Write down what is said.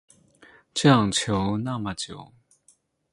这样求那么久